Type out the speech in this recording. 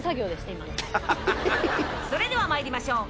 それでは参りましょう。